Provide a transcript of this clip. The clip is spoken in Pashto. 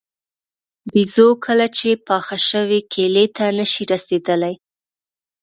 بېزو کله چې پاخه شوي کیلې ته نه شي رسېدلی.